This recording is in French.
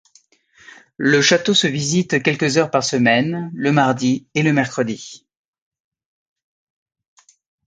Le château se visite quelques heures par semaine, le mardi et le mercredi.